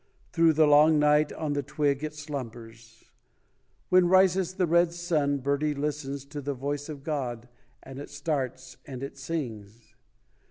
Thro' the long night on the twig it slumbers ; When rises the red sun Birdie listens to the voice of God And it starts, and it sings.